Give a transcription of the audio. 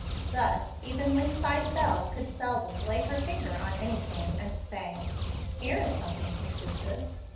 Thus even lynx eyed Bel could seldom lay her finger on any thing and say, "Here is something conclusive."